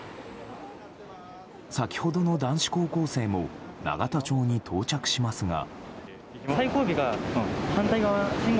先ほどの男子高校生も永田町に到着しますが。